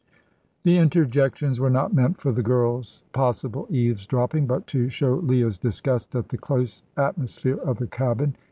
The interjections were not meant for the girl's possible eavesdropping, but to show Leah's disgust at the close atmosphere of the cabin.